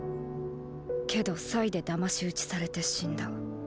けど“祭”でだまし討ちされて死んだ。